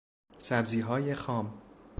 سبزیهای خام